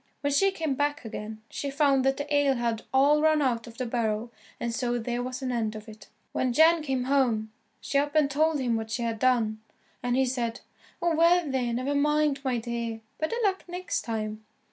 When she came back again, she found that the ale had all run out of the barrel, and so there was an end of it. When Jan came home, she up and told him what she had done, and he said, "Oh well, there, never mind, my dear, better luck next time."